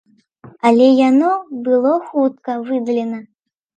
Але яно было хутка выдалена.